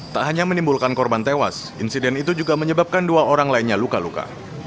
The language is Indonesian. tak hanya menimbulkan korban tewas insiden itu juga menyebabkan dua orang lainnya luka luka